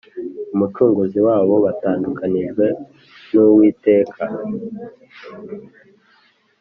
umucunguzi wabo , batandukanijwe n'uwiteka.